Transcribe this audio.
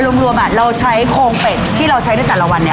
รวมเราใช้โครงเป็ดที่เราใช้ในแต่ละวันเนี่ย